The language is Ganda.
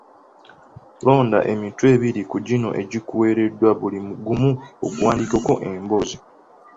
Londa emitwe ebiri ku gino egikuweereddwa buli gumu oguwandiikeko emboozi